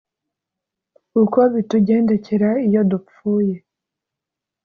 uko bitugendekera iyo dupfuye